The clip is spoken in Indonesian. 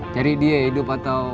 cari dia hidup atau